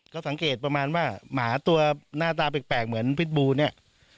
ก็สังเกตประมาณว่าหมาตัวหน้าตาแปลกเหมือนพิษบูเนี่ย